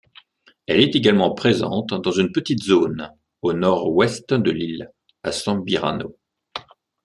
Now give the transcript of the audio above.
Elle est également présente dans une petite zone au nord-ouest de l'île, à Sambirano.